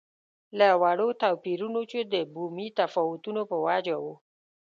له وړو توپیرونو چې د بومي تفاوتونو په وجه وو.